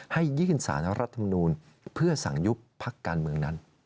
ให้ยื่นสารรัฐมนูลเพื่อสั่งยุบพักการเมืองนั้น